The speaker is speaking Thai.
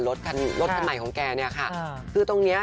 รถสมัยของแกเนี่ยค่ะ